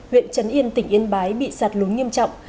huyện trấn yên tỉnh yên bái bị sạt lún nghiêm trọng